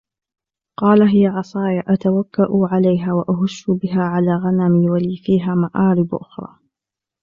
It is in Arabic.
قَالَ هِيَ عَصَايَ أَتَوَكَّأُ عَلَيْهَا وَأَهُشُّ بِهَا عَلَى غَنَمِي وَلِيَ فِيهَا مَآرِبُ أُخْرَى